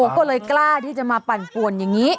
ก็เลยกล้าที่จะมาปั่นป่วนอย่างนี้